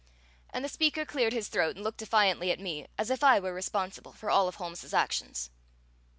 And the speaker cleared his throat and looked defiantly at me, as if I were responsible for all of Holmes's actions.